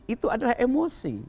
itu adalah emosi